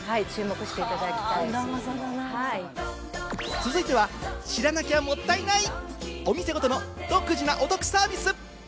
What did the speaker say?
続いては知らなきゃもったいない、お店ごとの独自のお得サービス。